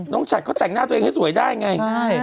ฉัดเขาแต่งหน้าตัวเองให้สวยได้ไง